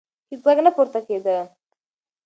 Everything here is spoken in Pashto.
هیڅ غږ نه پورته کېده.